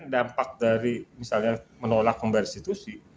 dampak dari misalnya menolak membayar restitusi